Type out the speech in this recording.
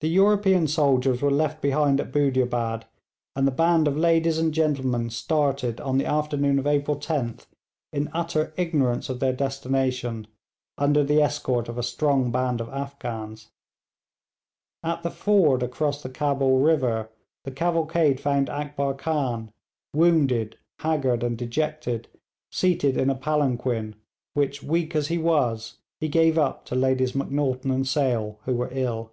The European soldiers were left behind at Budiabad, and the band of ladies and gentlemen started on the afternoon of April 10th, in utter ignorance of their destination, under the escort of a strong band of Afghans. At the ford across the Cabul river the cavalcade found Akbar Khan wounded, haggard, and dejected, seated in a palanquin, which, weak as he was, he gave up to Ladies Macnaghten and Sale, who were ill.